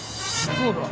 そうだ。